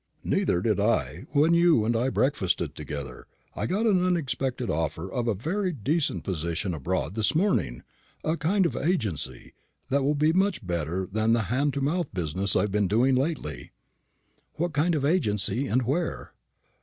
"Neither did I when you and I breakfasted together. I got an unexpected offer of a very decent position abroad this morning; a kind of agency, that will be much better than the hand to mouth business I've been doing lately." "What kind of agency, and where?"